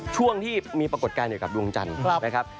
ช่วงที่มีปรากฏการณ์อยู่กับดวงจันทร์